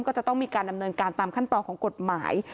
ก็จะต้องมีการดำเนินการตามขั้นตอนของกฎหมาย